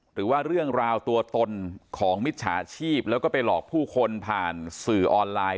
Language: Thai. หรือว่าเรื่องราวตัวตนของมิจฉาชีพแล้วก็ไปหลอกผู้คนผ่านสื่อออนไลน์